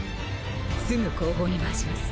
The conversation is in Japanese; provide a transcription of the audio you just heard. すぐ後方に回します。